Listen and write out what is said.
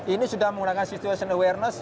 ini sudah menggunakan situation awareness